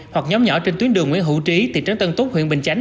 hoặc nhóm nhỏ trên tuyến đường nguyễn hữu trí thị trấn tân túc huyện bình chánh